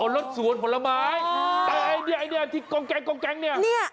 อ๋อรถสวนผลไม้แต่ไอ้นี่ที่กองแกงนี่